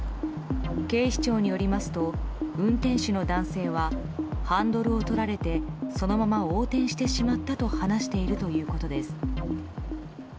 警視庁によりますと運転手の男性はハンドルをとられてそのまま横転してしまったと話しているということです。